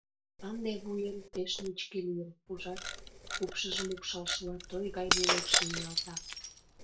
«Ынде вуем пеш нечке лийын, ужат», — упшыжым упшалшыла, той гай вуйлепшым ниялта.